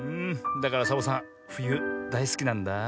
だからサボさんふゆだいすきなんだあ。